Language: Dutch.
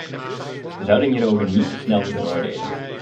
We zouden hierover niet te snel moeten oordelen.